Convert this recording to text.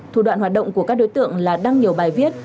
thủ đoạn hoạt động của các đối tượng là đăng nhiều bài viết